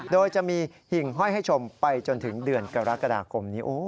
โดยจะมีหิ่งห้อยให้ชมไปจนถึงเดือนกรกฎาคมนี้